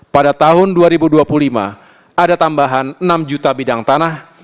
pada tahun dua ribu dua puluh lima ada tambahan enam juta bidang tanah